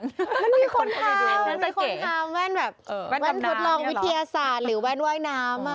มันมีคนทำมันมีคนหาแว่นแบบแว่นทดลองวิทยาศาสตร์หรือแว่นว่ายน้ำ